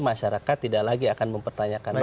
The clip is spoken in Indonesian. masyarakat tidak lagi akan mempertanyakan